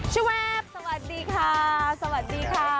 เชฟสวัสดีค่ะสวัสดีค่ะ